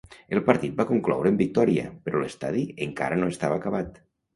El partit va concloure amb victòria, però l'estadi encara no estava acabat.